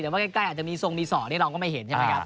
แต่ว่าใกล้อาจจะมีทรงมี๒นี่เราก็ไม่เห็นใช่ไหมครับ